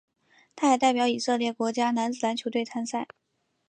他也代表以色列国家男子篮球队参赛。